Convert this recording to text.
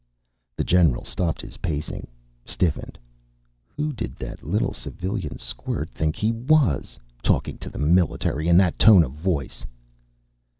The general stopped his pacing, stiffened. Who did that little civilian squirt think he was, talking to the military in that tone of voice!